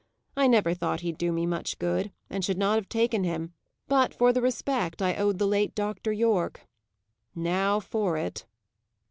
I never thought he'd do me much good, and should not have taken him, but for the respect I owed the late Dr. Yorke. Now for it!"